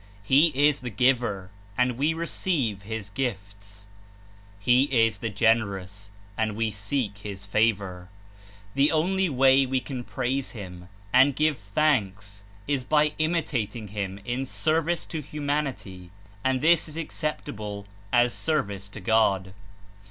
He is the Giver, and we receive His Gifts. He is the Generous, and we seek his Favor. The onlv \\\\\ we can praise him and give thanks is hy imitating him in service to humanity, and this is acceptable as service to God.